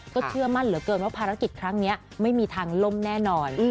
เชื่อมั่นเหลือเกินว่าภารกิจครั้งนี้ไม่มีทางล่มแน่นอน